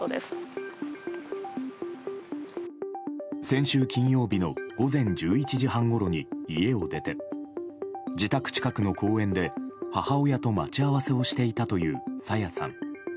先週金曜日の午前１１時半ごろに家を出て自宅近くの公園で母親と待ち合わせをしていたという朝芽さん。